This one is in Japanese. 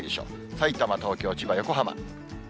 さいたま、東京、千葉、横浜。